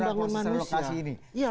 jadi kita harus membangun manusia